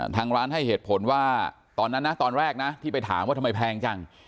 ทางร้านให้เหตุผลว่าตอนนั้นนะตอนแรกนะที่ไปถามว่าทำไมแพงจัง